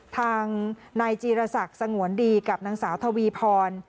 ทางนายจีรศักดิ์สงวนดีกับนางสาวทวีพร